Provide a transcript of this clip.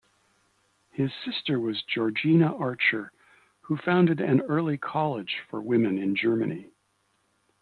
His sister was Georgina Archer who founded an early college for women in Germany.